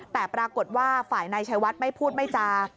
แต่ปรากฏว่าฝ่ายนายชัยวัดไม่พูดไม่จา